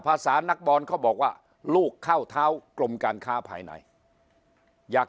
ภาษานักบอลเขาบอกว่าลูกเข้าเท้ากรมการค้าภายในอยาก